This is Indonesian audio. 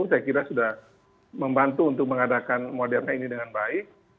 saya kira sudah membantu untuk mengadakan moderna ini dengan baik